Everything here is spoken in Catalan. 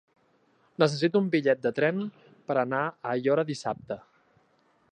Necessito un bitllet de tren per anar a Aiora dissabte.